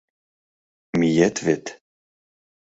Миет вет?